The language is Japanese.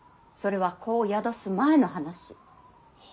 それは子を宿す前の話。